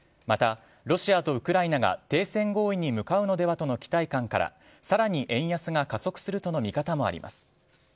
また、ロシアとウクライナが停戦合意に向かうのではとの期待感からさらに円安が加速するとの見方もあります。